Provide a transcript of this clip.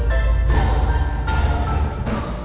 entah berapa lagi kerbohongan kamu